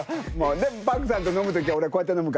でもＰａｒｋさんと飲む時は俺こうやって飲むから。